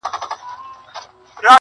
ته رانغلې پر دې لاره ستا قولونه ښخومه؛